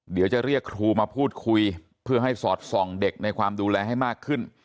เดี๋ยวจะเรียกครูมาพูดคุยเพื่อให้สอดส่องเด็กในความดูแลให้มากขึ้น